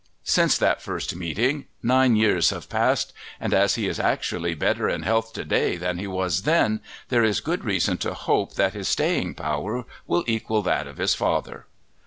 Since that first meeting nine years have passed, and as he is actually better in health to day than he was then, there is good reason to hope that his staying power will equal that of his father.